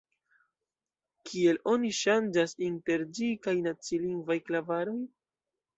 Kiel oni ŝanĝas inter ĝi kaj nacilingvaj klavaroj?